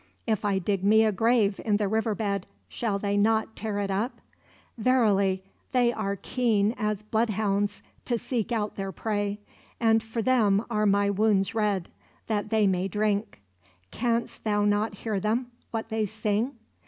If I dig me a grave in the river bed, shall they not tear it up? Verily, they are keen as blood hounds to seek out their prey; and for them are my wounds red, that they may drink. Canst thou not hear them, what they sing?"